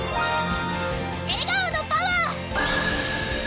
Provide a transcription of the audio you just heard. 笑顔のパワー！